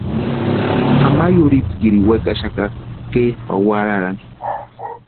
Ima yurhitskirini wekaxaka kepʼani warharani.